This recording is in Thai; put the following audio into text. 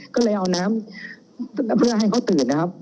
ก็เลยเอาน้ำเพื่อให้เขาตื่นนะครับ